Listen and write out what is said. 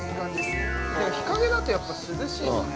◆日陰だと、やっぱ涼しいですね。